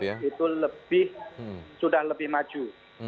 sejarah konstitusi hukum itu sudah lebih maju